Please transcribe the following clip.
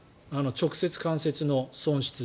直接、間接の損失。